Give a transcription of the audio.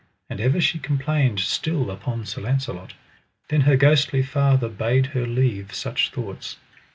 And ever she complained still upon Sir Launcelot. Then her ghostly father bade her leave such thoughts.